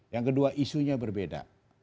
yang kedua isunya berbeda